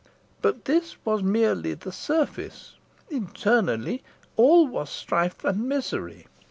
But this was merely the surface internally all was strife and misery.